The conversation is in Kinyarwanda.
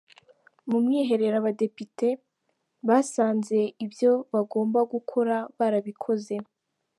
Mu mwiherero Abadepite, basanze ibyobagombaga gukora barabikoze